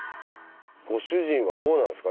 ご主人はどうなんすか？